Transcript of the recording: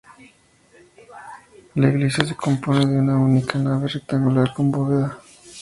La iglesia se compone de una única nave rectangular con bóveda.